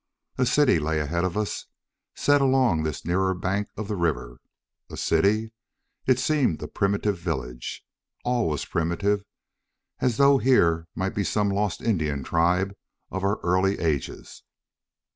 A city lay ahead of us, set along this nearer bank of the river. A city! It seemed a primitive village. All was primitive, as though here might be some lost Indian tribe of our early ages.